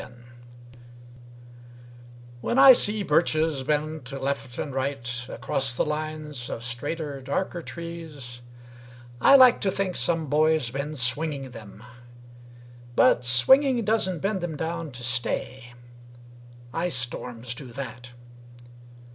BIRCHES When I see birches bend to left and right Across the lines of straighter darker trees, I like to think some boy's been swinging them. But swinging doesn't bend them down to stay. Ice storms do that.